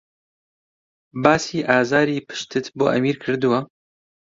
باسی ئازاری پشتتت بۆ ئەمیر کردووە؟